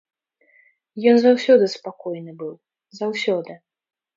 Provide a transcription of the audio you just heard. Ён заўсёды спакойны быў, заўсёды.